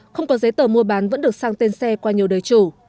không có giấy tờ mua bán vẫn được sang tên xe qua nhiều đời chủ